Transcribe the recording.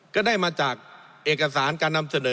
ก็ได้มาจากเอกสารการนำเสนอ